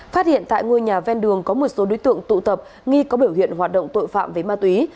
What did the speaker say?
phát hiện tại ngôi nhà ven đường có một số đối tượng tụ tập nghi có biểu hiện hoạt động tội phạm với ma túy